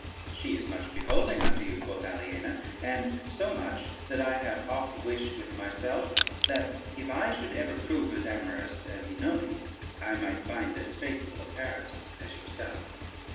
"She is much beholding unto you," quoth Aliena, "and so much, that I have oft wished with myself, that if I should ever prove as amorous as Oenone, I might find as faithful a Paris as yourself."